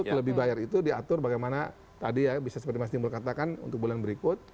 untuk lebih bayar itu diatur bagaimana tadi ya bisa seperti mas timbul katakan untuk bulan berikut